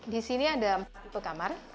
di sini ada empat kamar